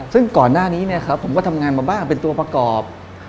ซึ่งก่อนหน้านี้ผมก็ทำงานมาบ้างเป็นตัวประกอบ